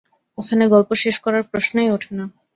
এখানে গল্প শেষ করার প্রশ্নই ওঠে না।